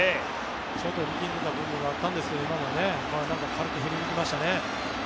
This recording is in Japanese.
ちょっと力んでた部分はあったんですが今は軽く振りに行きましたね。